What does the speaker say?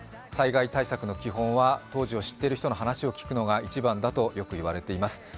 災害対策の基本は当時を知っている人の話を聞くのが一番だとよく言われています。